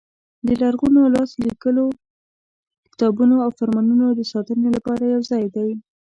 د لرغونو لاس لیکلو کتابونو او فرمانونو د ساتنې لپاره یو ځای دی.